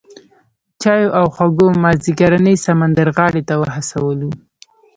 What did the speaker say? چایو او خوږو مازیګرنۍ سمندرغاړې ته وهڅولو.